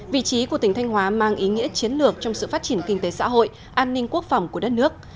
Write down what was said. vị trí của tỉnh thanh hóa mang ý nghĩa chiến lược trong sự phát triển kinh tế xã hội an ninh quốc phòng của đất nước